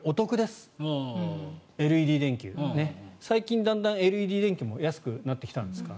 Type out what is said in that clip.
最近だんだんＬＥＤ電球も安くなってきたんですか？